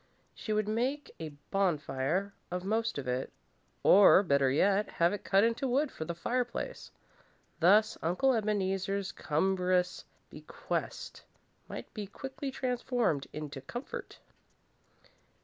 She would make a bonfire of most of it, or, better yet, have it cut into wood for the fireplace. Thus Uncle Ebeneezer's cumbrous bequest might be quickly transformed into comfort.